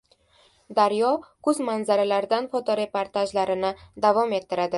“Daryo” kuz manzaralaridan fotoreportajlarini davom ettiradi